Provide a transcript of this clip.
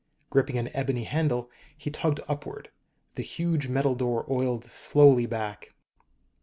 Gripping an ebony handle, he tugged upward. The huge metal door oiled slowly back.